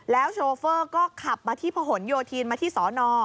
แล้วโชเฟอร์ก็ขับมาที่โผนโยธีนมาที่สน